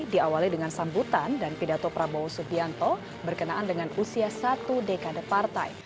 diawali dengan sambutan dan pidato prabowo subianto berkenaan dengan usia satu dekade partai